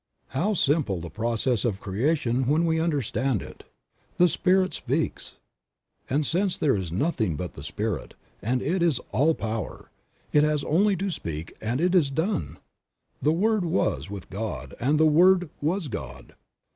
How simple the process of creation when we understand it. The Spirit speaks — and since there is nothing but the Spirit and it is All Power, it has only to speak and it is done ; "The Word was with God and the Word was God."